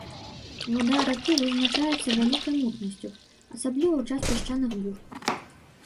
Вада ракі вызначаецца вялікай мутнасцю, асабліва ў час пясчаных бур.